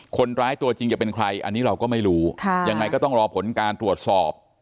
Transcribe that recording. ตัวจริงจะเป็นใครอันนี้เราก็ไม่รู้ยังไงก็ต้องรอผลการตรวจสอบ